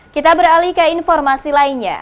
kita beralih ke informasi lainnya